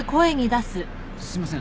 すいません。